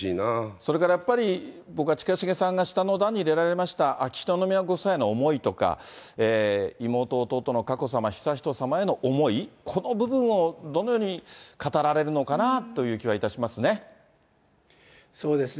それからやっぱり、僕は近重さんが下の段に入れられました、秋篠宮ご夫妻の思いとか、妹、弟の佳子さま、悠仁さまへの思い、この部分をどのように語られるのかなという気はいたしますね。